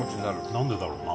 なんでだろうな？